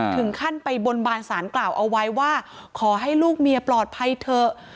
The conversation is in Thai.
ถึงขั้นไปบนบานสารกล่าวเอาไว้ว่าขอให้ลูกเมียปลอดภัยเถอะ